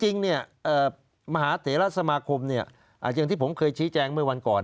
จริงเนี่ยมหาเถระสมาคมอย่างที่ผมเคยชี้แจงเมื่อวันก่อน